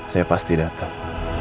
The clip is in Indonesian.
saya pasti datang